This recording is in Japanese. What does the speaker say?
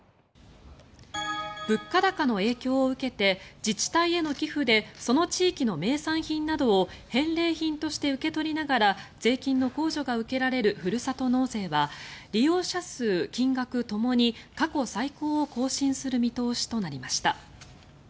物価高の影響を受けて自治体への寄付でその地域の名産品などを返礼品として受け取りながら税金の控除が受けられるふるさと納税は利用者数、金額ともに過去最高を更新する見通しとなりました。